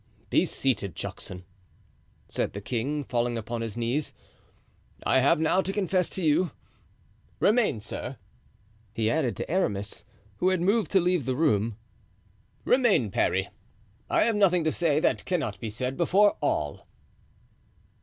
"Be seated, Juxon," said the king, falling upon his knees. "I have now to confess to you. Remain, sir," he added to Aramis, who had moved to leave the room. "Remain, Parry. I have nothing to say that cannot be said before all."